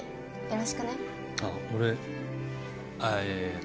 よろしく。